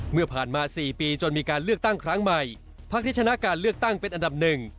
เมื่อผ่านมา๔ปีจนมีการเลือกตั้งครั้งใหม่พักที่ชนะการเลือกตั้งเป็นอันดับหนึ่ง